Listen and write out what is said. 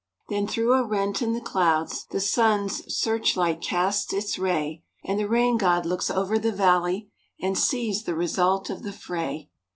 Then through a rent in the clouds The sun's searchlight casts its ray, And the Rain God looks over the valley And sees the result of the fray.